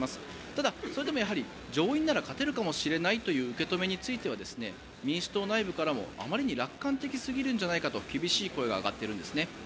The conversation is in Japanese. ただ、それでも上院なら勝てるかもしれないという受け止めについては民主党内部からもあまりに楽観的すぎるんじゃないかと厳しい声が上がっているんです。